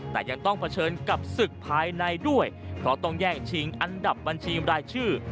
แต่ยังต้องเผชิญกับศึกภายในด้วยเพราะต้องแย่งชิงอันดับบัญชีรายชื่อ